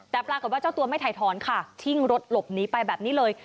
แต่ปรากฏว่าเจ้าตัวไม่ถ่ายถอนค่ะชิ่งรถหลบหนีไปแบบนี้เลย